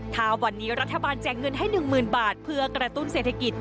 ถ้าวันนี้รัฐบาลแจกเงินให้๑๐๐๐บาทเพื่อกระตุ้นเศรษฐกิจ